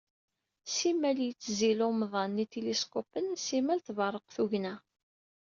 Simmal yettzid umḍan n yitiliskupen, simmal tberreq tugna.